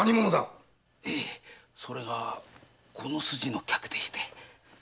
へいそれがこの筋の客でして。